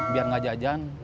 biar gak jajan